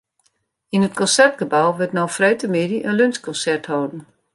Yn it Konsertgebou wurdt no freedtemiddei in lunsjkonsert holden.